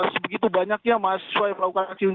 sebegitu banyak yang mahasiswa yang melakukan aksi ini